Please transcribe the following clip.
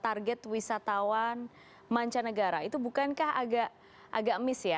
target wisatawan mancanegara itu bukankah agak miss ya